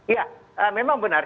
ya memang benar